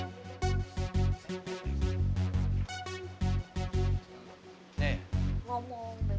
bisa santur aku pulang ya